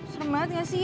serem banget nggak sih